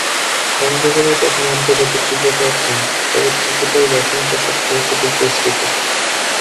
কক্সবাজারের প্রথম আন্তর্জাতিক ক্রিকেটার তিনি, তবে ক্রিকেটের গাঁথুনিটা শক্ত হয়েছে বিকেএসপিতে।